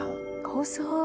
細い。